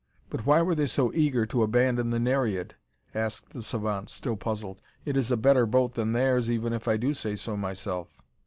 "But why were they so eager to abandon the Nereid?" asked the savant, still puzzled. "It it a better boat than theirs, even if I do say so myself."